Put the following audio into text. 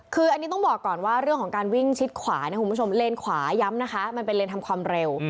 คืออันนี้ต้องบอกก่อนว่าเรื่องของการวิ่งชิดขวานะคุณผู้ชมเลนขวาย้ำนะคะมันเป็นเลนทำความเร็ว